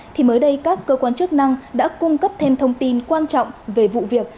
thì mới đây các cơ quan chức năng đã cung cấp thêm thông tin quan trọng về vụ việc